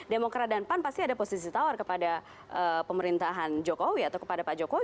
demokrat dan pan pasti ada posisi tawar kepada pemerintahan jokowi atau kepada pak jokowi